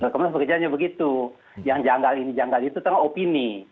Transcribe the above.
komnas bekerja hanya begitu yang janggal ini janggal itu itu adalah opini